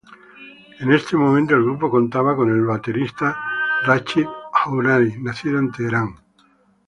Para este momento el grupo contaba con el baterista Rachid Houari, nacido en Teherán.